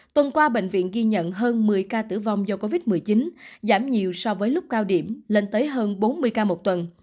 tuần qua bệnh viện ghi nhận hơn một mươi ca tử vong do covid một mươi chín giảm nhiều so với lúc cao điểm lên tới hơn bốn mươi ca một tuần